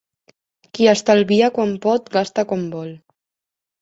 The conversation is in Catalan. Qui estalvia quan pot, gasta quan vol.